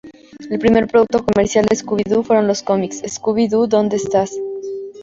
El primer producto comercial de "Scooby-Doo" fueron los cómics, "¿Scooby-Doo dónde estás?